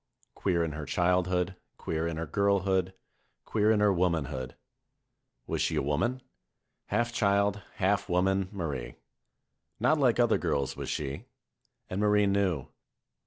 Queer in her childhood, queer in her girlhood, queer in her womanhood. Was she a woman? Half child, half woman, Marie. Hot like other girls was she. And Marie knew.